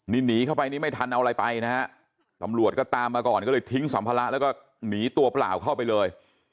นี่หนีเข้าไปนี่ไม่ทันเอาอะไรไปนะฮะตำรวจก็ตามมาก่อนก็เลยทิ้งสัมภาระแล้วก็หนีตัวเปล่าเข้าไปเลย